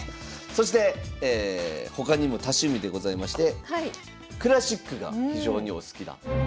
そして他にも多趣味でございましてクラシックが非常にお好きな。